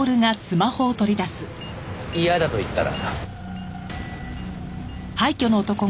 嫌だと言ったら？